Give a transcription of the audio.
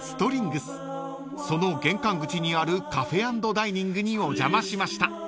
［その玄関口にあるカフェ＆ダイニングにお邪魔しました］